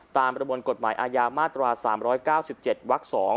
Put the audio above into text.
ตามประบวนกฎหมายอาญามาตรวา๓๙๗ว๒